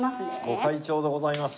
ご開帳でございます。